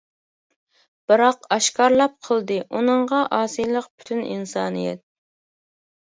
بىراق ئاشكارىلاپ قىلدى ئۇنىڭغا ئاسىيلىق پۈتۈن ئىنسانىيەت.